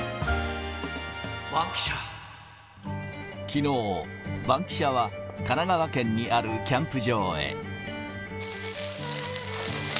きのう、バンキシャは神奈川県にあるキャンプ場へ。